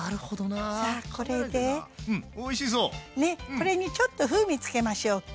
これにちょっと風味付けましょうか。